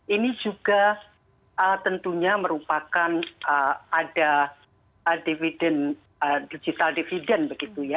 ini juga tentunya merupakan ada digital dividend